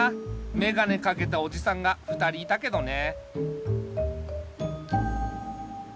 めがねかけたおじさんが２人いたけどね。